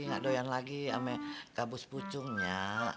gak doyan lagi sama kabus pucungnya